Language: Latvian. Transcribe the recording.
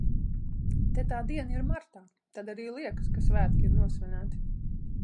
Te tā diena ir martā, tad arī liekas, ka svētki ir nosvinēti.